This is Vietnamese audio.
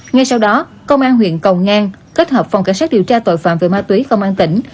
ngay sau đó công an huyện cầu ngang kết hợp phòng cảnh sát điều tra tội phạm về ma túy công an tỉnh